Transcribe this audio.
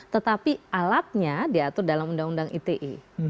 tetapi alatnya diatur dalam undang undang ite